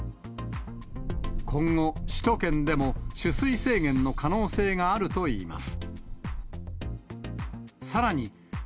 今後、首都圏でも取水制限の可能性があるといいます。